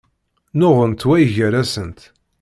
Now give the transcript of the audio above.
Nnuɣent wway-gar-asent.